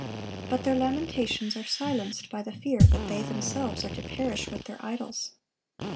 But their lamentations are silenced by the fear that they themselves are to perish with their idols.